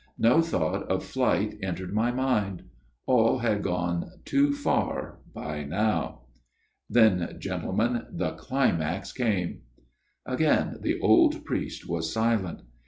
No thought of flight entered my mind. All had gone too far by now. " Then, gentlemen, the climax came." Again the old priest was silent.